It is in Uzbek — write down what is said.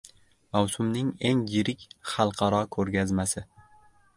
Mavsumning eng yirik xalqaro ko‘rgazmasi